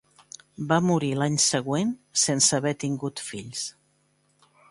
Va morir l'any següent sense haver tingut fills.